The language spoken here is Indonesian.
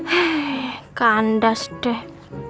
hei kandas deh